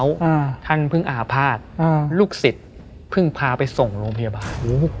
อ่าท่านเพิ่งอาภาษณ์อืมลูกศิษย์เพิ่งพาไปส่งโรงพยาบาล